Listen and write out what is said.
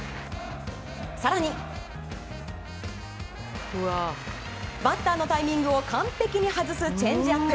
更に、バッターのタイミングを完璧に外すチェンジアップ。